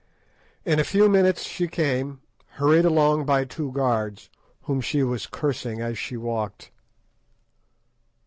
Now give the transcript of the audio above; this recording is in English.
In a few minutes she came, hurried along by two guards, whom she was cursing as she walked.